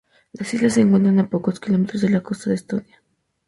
Las islas se encuentran a pocos kilómetros de la costa de Estonia.